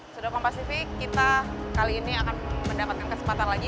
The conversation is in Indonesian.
sudah kompasifik kita kali ini akan mendapatkan kesempatan lagi